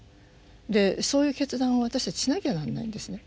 でそういう決断を私たちしなきゃなんないんですね。